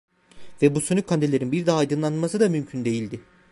Ve bu sönük kandillerin bir daha aydınlanması da mümkün değildi.